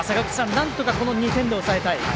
なんとか、この２点で抑えたい。